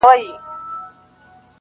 ته صاحب د کم هنر یې ته محصل که متعلم یې,